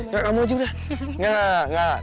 nggak kamu aja udah